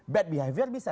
bad behavior bisa